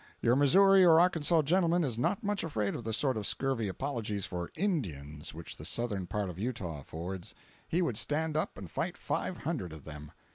Your Missouri or Arkansas gentleman is not much afraid of the sort of scurvy apologies for "Indians" which the southern part of Utah affords. He would stand up and fight five hundred of them.